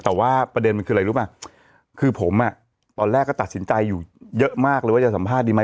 แต่ว่าประเด็นมันคืออะไรรู้ป่ะคือผมอ่ะตอนแรกก็ตัดสินใจอยู่เยอะมากเลยว่าจะสัมภาษณ์ดีไหม